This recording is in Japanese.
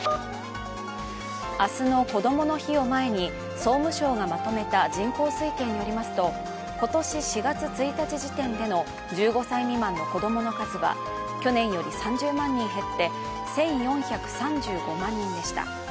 明日のこどもの日を前に総務省がまとめた人口推計によりますと今年４月１日時点での１５歳未満の子供の数は去年より３０万人減って１４３５万人でした。